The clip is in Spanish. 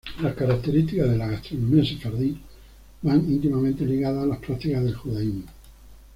Las características de la gastronomía sefardí van íntimamente ligadas a las prácticas del judaísmo.